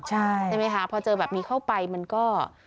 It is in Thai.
ใช่ไหมคะพอเจอแบบนี้เข้าไปมันก็